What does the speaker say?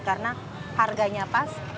karena harganya pas